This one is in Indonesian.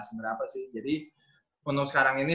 seberapa sih jadi untuk sekarang ini